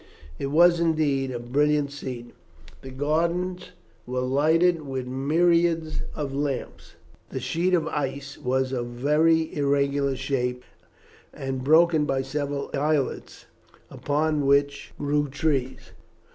It was indeed a brilliant scene. The gardens were lighted with myriads of lamps. The sheet of ice was of a very irregular shape and broken by several islets, upon which grew trees.